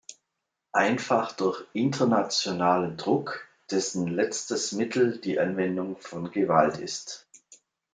Einfach durch internationalen Druck, dessen letztes Mittel die Anwendung von Gewalt ist.